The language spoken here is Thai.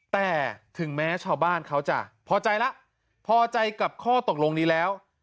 แต่ถึงแม้ชาวบ้านเขาจะพอใจแล้วพอใจกับข้อตกลงนี้แล้ว